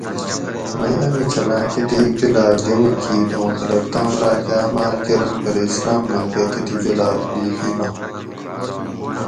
مئی امی چھلاۤں کۤتیک جولاۤگ جمع کیت اوں خلق تام راۤکہ عماۤل کۤرنت پرہ اسلام ماۤکہ تتھی جولاگ بیخی نات